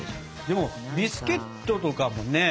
でもビスケットとかもね